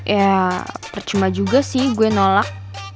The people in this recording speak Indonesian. ya percuma juga sih gue nolak